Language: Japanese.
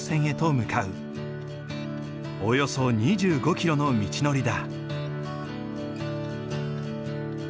およそ２５キロの道のりだ。